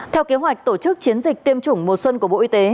theo kế hoạch tổ chức chiến dịch tiêm chủng mùa xuân của bộ y tế